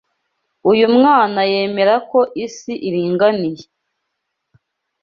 Uyu mwana yemera ko isi iringaniye.